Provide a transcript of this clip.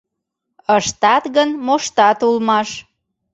Ыштат гын, моштат улмаш.